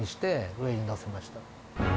上にのせました。